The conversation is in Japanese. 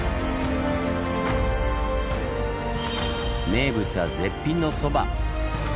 名物は絶品のそば！